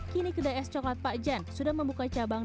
kini kedai es coklat pak jan sudah membuka cabang